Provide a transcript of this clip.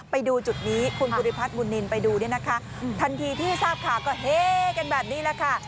ไปดูจุดนี้คุณภูริพัฒนบุญนินไปดูเนี่ยนะคะทันทีที่ทราบข่าวก็เฮกันแบบนี้แหละค่ะ